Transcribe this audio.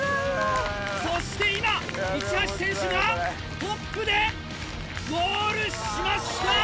そして今、一橋選手がトップでゴールしました！